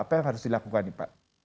apa yang harus dilakukan nih pak